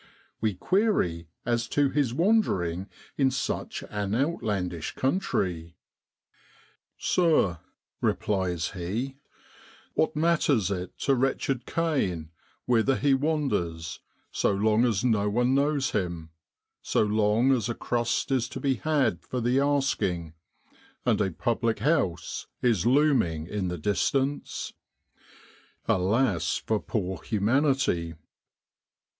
We query as to his wandering in such an outlandish country. 132 DECEMBER IN BROADLAND. ' Sir,' replies he, ' what matters it to wretched Cain whither he wanders, so long as no one knows him, so long as a crust is to be had for the asking, and a public house is looming in the distance ?' Alas ! for poor humanity.